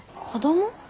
子ども？